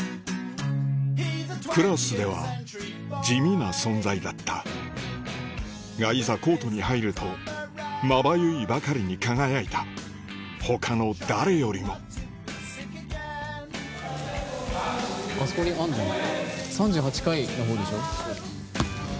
クラスでは地味な存在だったがいざコートに入るとまばゆいばかりに輝いた他の誰よりもあそこにあんじゃん。